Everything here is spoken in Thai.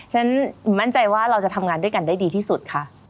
ฉันมั่นใจว่าเราจะทำงานด้วยกันได้ดีที่สุดค่ะ